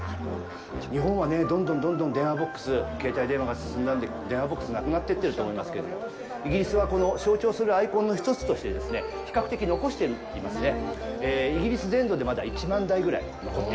日本はね、どんどんどんどん電話ボックス、携帯電話が進んだんで、電話ボックスなくなっていっていると思いますけれども、イギリスは、この象徴するアイコンの一つとして比較的残していますね。